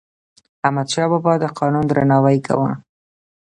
احمدشاه بابا د قانون درناوی کاوه.